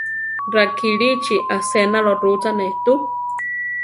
Rakilíchi asénalo rúchane tu.